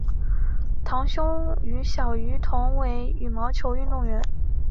堂兄于小渝同为羽毛球运动员。